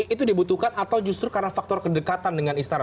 itu dibutuhkan atau justru karena faktor kedekatan dengan istana